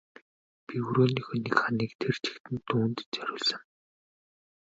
Би өрөөнийхөө нэг ханыг тэр чигт нь түүнд зориулсан.